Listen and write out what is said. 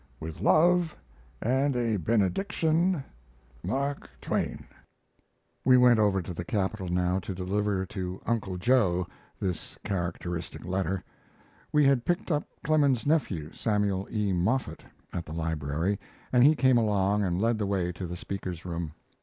With love and a benediction; MARK TWAIN. We went over to the Capitol now to deliver to "Uncle Joe" this characteristic letter. We had picked up Clemens's nephew, Samuel E. Moffett, at the Library, and he came along and led the way to the Speaker's room.